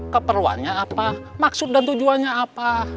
keperluannya apa maksud dan tujuannya apa